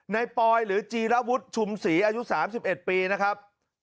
ปอยหรือจีรวุฒิชุมศรีอายุ๓๑ปีนะครับ